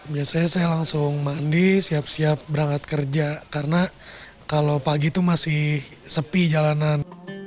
biasanya saya langsung mandi siap siap berangkat kerja karena kalau pagi itu masih sepi jalanan